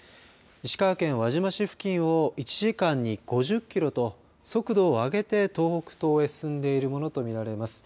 石川県輪島市付近を１時間に５０キロと速度を上げて東北東へ進んでいるものと見られます。